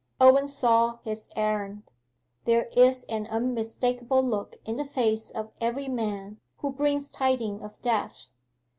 Owen saw his errand. There is an unmistakable look in the face of every man who brings tidings of death.